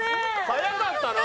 速かったな。